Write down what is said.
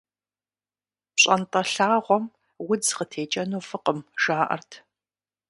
ПщӀантӀэ лъагъуэм удз къытекӀэну фӀыкъым, жаӀэрт.